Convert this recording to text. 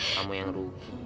kamu yang rugi